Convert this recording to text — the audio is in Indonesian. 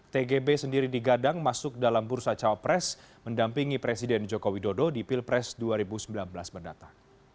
tgb sendiri digadang masuk dalam bursa cawapres mendampingi presiden joko widodo di pilpres dua ribu sembilan belas mendatang